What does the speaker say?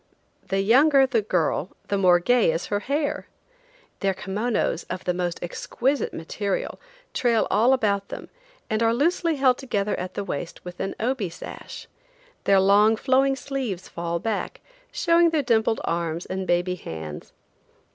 The younger the girl the more gay is her hair. Their kimonos, of the most exquisite material, trail all around them, and are loosely held together at the waist with an obi sash; their long flowing sleeves fall back, showing their dimpled arms and baby hands.